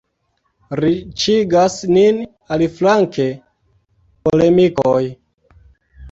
Riĉigas nin, aliflanke, polemikoj.